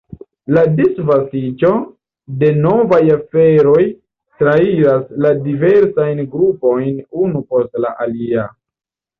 La disvastiĝo de novaj aferoj trairas la diversajn grupojn unu post la alia.